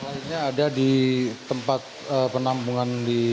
yang lainnya ada di tempat penampungan